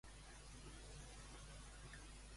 Quan va presentar-se al jutjat Vila?